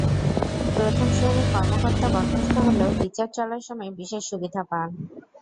প্রথম শ্রেণির কর্মকর্তা বরখাস্ত হলেও বিচার চলার সময় বিশেষ সুবিধা পান।